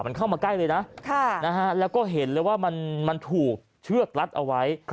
มันเข้ามาใกล้เลยนะแล้วก็เห็นเลยว่ามันถูกเชือกรัดเอาไว้